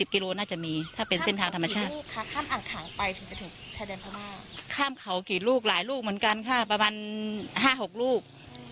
ข้ามเขากี่ลูกหลายลูกเหมือนกันคะประมาณ๕๖ลูก